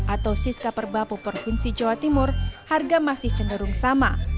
atau siska perbapu provinsi jawa timur harga masih cenderung sama